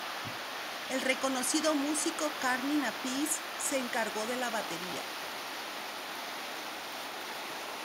El reconocido músico Carmine Appice se encargó de la batería.